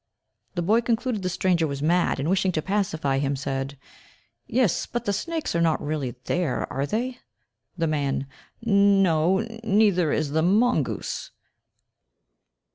The boy concluded the stranger was mad, and wishing to pacify him, said "Yes, but the snakes are not really there, are they?" The man, "No, n neither is the m mongoose."